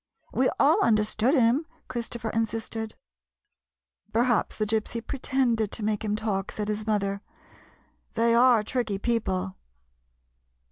" We all understood him," Christopher insisted. " Perhaps the Gypsy pretended to make him talk," said his mother. "They are tricky people."